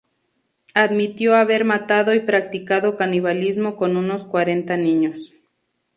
Admitió haber matado y practicado canibalismo con unos cuarenta niños.